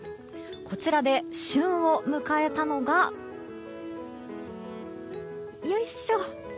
こちらで旬を迎えたのがよいしょ！